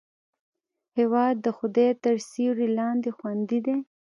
هېواد د خدای تر سیوري لاندې خوندي دی.